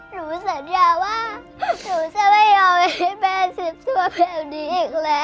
หนูสัญญาว่าหนูจะไม่ยอมให้แม่สุดซั่วเพลงนี้อีกแล้ว